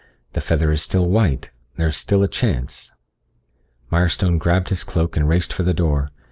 The feather is still white ... there's still a chance. Mirestone grabbed his cloak and raced for the door.